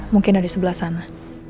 mungkin ada di sebelah sana